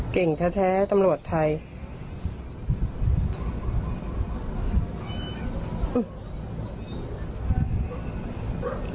เก่งแท้ตำรวจไทย